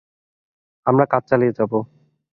আমরা কাজ চালিয়ে যাবো।